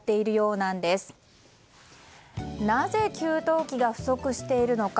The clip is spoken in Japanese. なぜ、給湯器が不足しているのか。